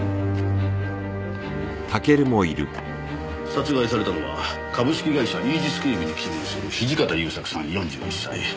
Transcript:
殺害されたのは株式会社イージス警備に勤務する土方勇作さん４１歳。